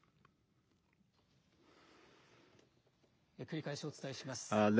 繰り返しお伝えします。